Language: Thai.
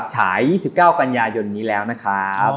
ฉาย๒๙กันยายนนี้แล้วนะครับ